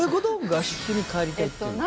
合宿帰りたいっていうのは。